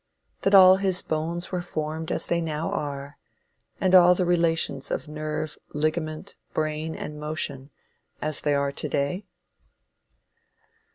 That all his bones were formed as they now are, and all the relations of nerve, ligament, brain and motion as they are to day?